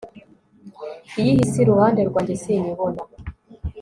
iyo ihise iruhande rwanjye, sinyibona